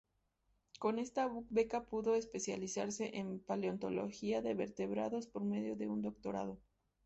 Con esta beca pudo especializarse en paleontología de vertebrados por medio de un doctorado.